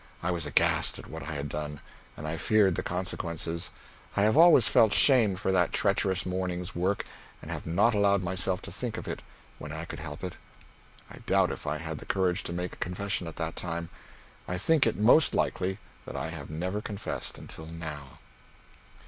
I was aghast at what I had done, and I feared the consequences. I have always felt shame for that treacherous morning's work and have not allowed myself to think of it when I could help it. I doubt if I had the courage to make confession at that time. I think it most likely that I have never confessed until now.